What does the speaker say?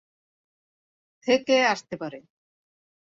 থেকে আসতে পারে!